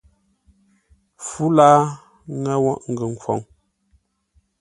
Pfú láa, ŋə́ woghʼ ngəkhwoŋ.